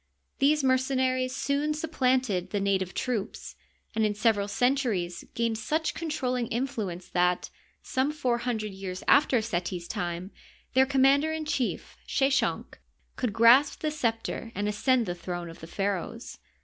These mercenaries soon supplanted the native troops, and in several centuries gained such controlling influence that, some four hundred years after Setfs time, their com mander in chief, Sheshonq, could grasp the scepter and ascend the throne of the pharaohs.